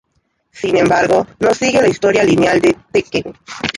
Sin embargo, no sigue la historia lineal de "Tekken".